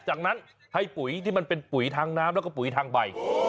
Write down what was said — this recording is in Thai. จากนั้นให้ปุ๋ยที่มันเป็นปุ๋ยทางน้ำแล้วก็ปุ๋ยทางใบ